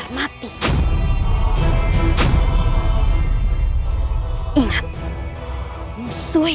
aku harus kabur dari sini